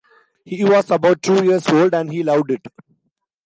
He was about two years old, and he loved it.